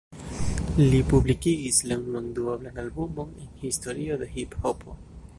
Li publikigis la unuan duoblan albumon en historio de hiphopo.